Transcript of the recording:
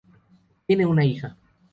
Tiene una hija.